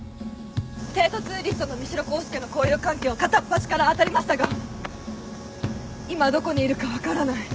帝都ツーリストの三城康介の交友関係を片っ端から当たりましたが今どこにいるか分からない。